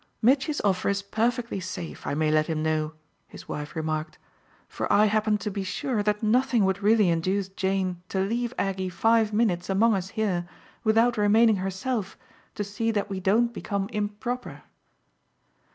"Mitchy's offer is perfectly safe, I may let him know," his wife remarked, "for I happen to be sure that nothing would really induce Jane to leave Aggie five minutes among us here without remaining herself to see that we don't become improper."